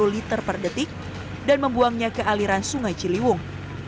dua ratus lima puluh liter per detik dan membuangnya ke aliran sungai ciliwung